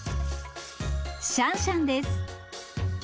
シャンシャンです。